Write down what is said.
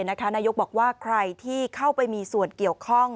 นายกบอกว่าใครที่เข้าไปมีส่วนเกี่ยวข้อง